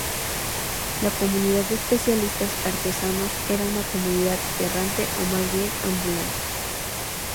La comunidad de especialistas artesanos era una comunidad errante o más bien ambulante.